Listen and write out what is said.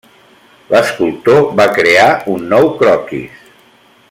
L'escultor va crear un nou croquis.